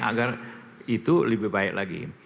agar itu lebih baik lagi